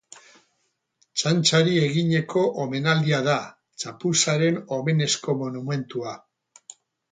Txantxari eginiko omenaldia da, txapuzaren omenezko monumentua.